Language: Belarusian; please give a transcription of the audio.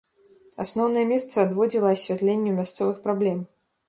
Асноўнае месца адводзіла асвятленню мясцовых праблем.